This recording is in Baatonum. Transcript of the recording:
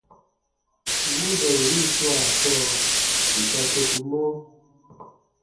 Wooda yenin swaa sɔɔ, yè sa sokumɔ: